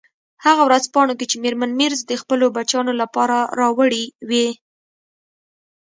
هغه ورځپاڼو کې چې میرمن مېرز د خپلو بچیانو لپاره راوړي وې.